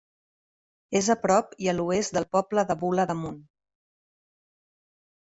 És a prop i a l'oest del poble de Bula d'Amunt.